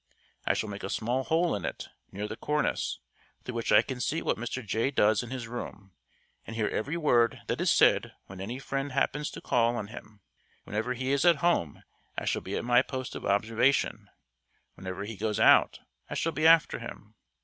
I shall make a small hole in it, near the cornice, through which I can see what Mr. Jay does in his room, and hear every word that is said when any friend happens to call on him. Whenever he is at home, I shall be at my post of observation; whenever he goes out, I shall be after him.